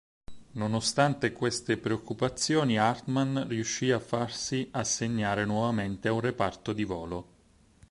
Nonostante queste preoccupazioni Hartmann riuscì a farsi assegnare nuovamente a un reparto di volo.